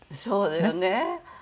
そうだよね。